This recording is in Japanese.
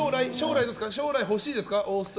将来欲しいですか？